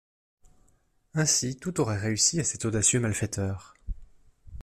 Ainsi tout aurait réussi à cet audacieux malfaiteur.